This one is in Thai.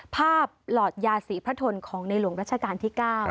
หลอดยาศรีพระทนของในหลวงรัชกาลที่๙